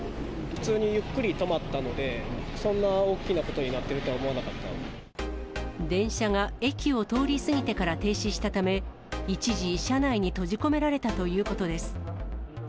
普通にゆっくり止まったので、そんな大きなことになっていると電車が駅を通り過ぎてから停止したため、一時、車内に閉じ込められたということです。